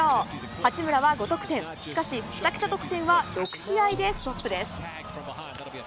八村は５得点、しかし２桁得点は６試合でストップです。